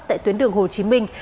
tại tuyến đường hồ chí minh